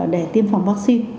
để tiêm phòng vaccine